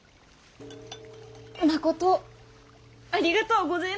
まことありがとうごぜえます。